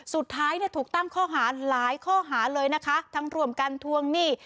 สุดท้ายเนี่ยถูกตั้งข้อหาหลายข้อหาเลยนะคะทั้งร่วมกันทวงหนี้